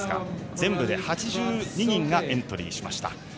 全部で８２人がエントリーしました。